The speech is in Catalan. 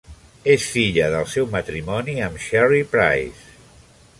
És filla del seu matrimoni amb Cherry Price.